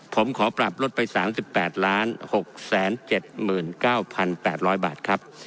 ผมขอปรับลดไป๓๘๖๗๙๘๐๐บาทครับ